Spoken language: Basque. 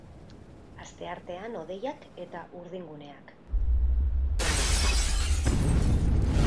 Asteartean hodeiak eta urdinguneak.